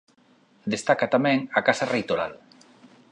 Destaca tamén a casa reitoral.